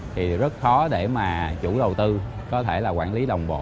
thì rất khó để mà chủ đầu tư có thể là quản lý đồng bộ